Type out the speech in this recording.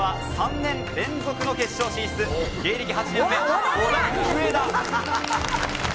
３年連続の決勝進出、芸歴８年目、オダウエダ。